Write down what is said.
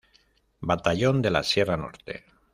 Batallón de la Sierra Norte.